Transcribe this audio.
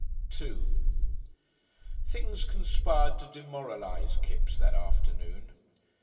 §2 Things conspired to demoralise Kipps that afternoon.